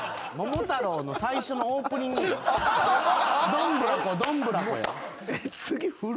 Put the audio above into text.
どんぶらこどんぶらこよ。